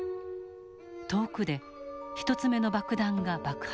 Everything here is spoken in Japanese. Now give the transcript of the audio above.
遠くで１つ目の爆弾が爆発。